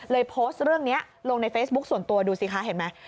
โพสต์เรื่องนี้ลงในเฟซบุ๊คส่วนตัวดูสิคะเห็นไหม